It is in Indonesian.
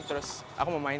terus aku mau main